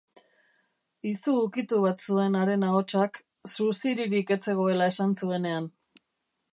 Izu-ukitu bat zuen haren ahotsak, suziririk ez zegoela esan zuenean.